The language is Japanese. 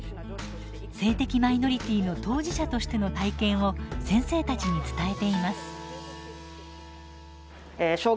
性的マイノリティーの当事者としての体験を先生たちに伝えています。